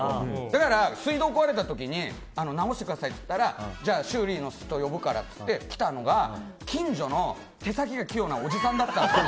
だから水道が壊れた時に直してくださいって言ったらじゃあ修理の人を呼ぶからって来たのが近所の手先が器用なおじさんだったんです。